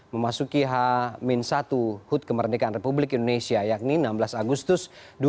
memasuki h satu hut kemerdekaan republik indonesia yakni enam belas agustus dua ribu dua puluh